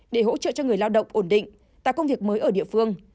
để hỗ trợ cho người lao động ổn định tạo công việc mới ở địa phương